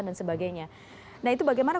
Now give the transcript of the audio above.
dan sebagainya nah itu bagaimana